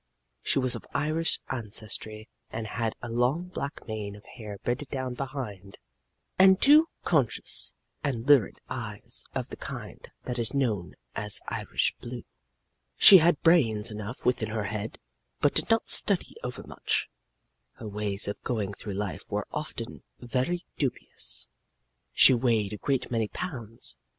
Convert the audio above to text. She was of Irish ancestry and had a long black mane of hair braided down behind, and two conscious and lurid eyes of the kind that is known as Irish blue. She had brains enough within her head, but did not study overmuch. Her ways of going through life were often very dubious. She weighed a great many pounds.